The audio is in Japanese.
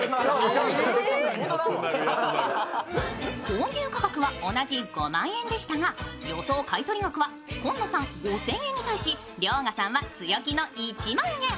購入価格は同じ５万円でしたが予想買い取り価格は紺野さん５０００円に対し、遼河さんは強気の１万円。